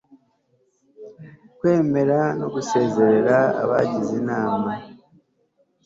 Kwemeza no gusezerera abagize Inama